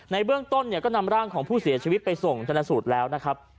ในเบื้องต้นเนี่ยก็นำร่างของผู้เสียชีวิตไปส่งชนสูตรแล้วนะครับ